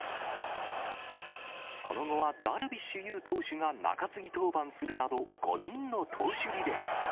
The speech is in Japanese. その後はダルビッシュ有投手が中継ぎ登板するなど、５人の投手リレー。